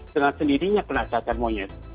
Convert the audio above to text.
dengan sendirinya kena cacar monyet